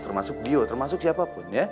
termasuk gio termasuk siapapun ya